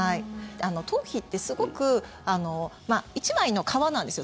頭皮ってすごく１枚の皮なんですよ。